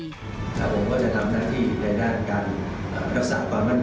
ผมก็จะทำหน้าที่ในด้านการรักษาความมั่นคง